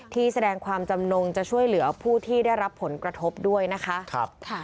ที่แสดงความจำนงจะช่วยเหลือผู้ที่ได้รับผลกระทบด้วยนะคะ